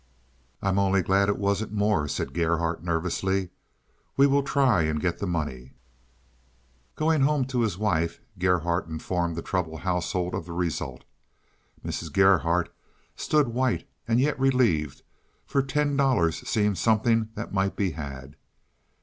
"I'm only glad it wasn't more," said Gerhardt nervously. "We will try and get the money." Going home to his wife, Gerhardt informed the troubled household of the result. Mrs. Gerhardt stood white and yet relieved, for ten dollars seemed something that might be had.